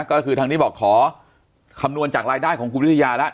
ก็คือทางนี้บอกขอคำนวณจากรายได้ของคุณวิทยาแล้ว